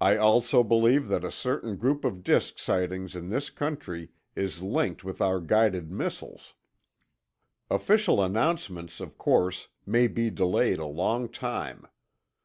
I also believe that a certain group of disk sightings in this country is linked with our guided missiles. Official announcements, of course, may be delayed a long time.